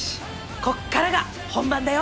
こっからが本番だよ。